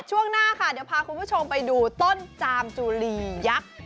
ช่วงหน้าจะพาคุณผู้ชมไปดูต้นจามจูลียักษ์